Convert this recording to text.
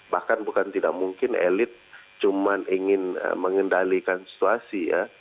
bahkan bukan tidak mungkin elit cuma ingin mengendalikan situasi ya